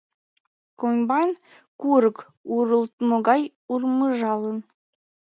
Комбайн курык урылтмо гай урмыжалын.